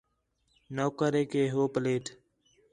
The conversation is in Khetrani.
نوکر ہے کہ ہو پلیٹ